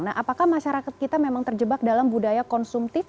nah apakah masyarakat kita memang terjebak dalam budaya konsumtif